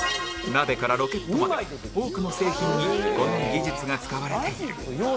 鍋からロケットまで多くの製品にこの技術が使われている